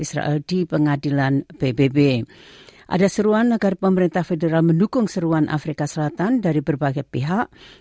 sebagai tahun perkembangan positif dalam hubungan tiongkok australia